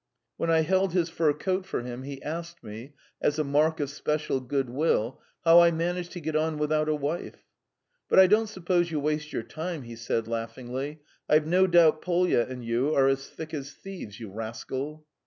When I held his fur coat for him he asked me, as a mark of special good will, how I managed to get on without a wife. "But I don't suppose you waste your time," he said, laughingly. "I've no doubt Polya and you are as thick as thieves. ... You rascal!"